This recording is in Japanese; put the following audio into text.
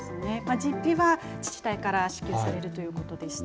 実費は自治体から支給されるということでした。